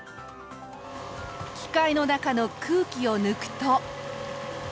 機械の中の空気を抜くと。